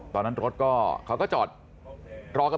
ตอนนั้นรถก็เขาก็จอดมาแล้วนะครับ